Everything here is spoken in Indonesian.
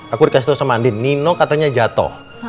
aku dikasih tahu sama andin nino katanya jatuh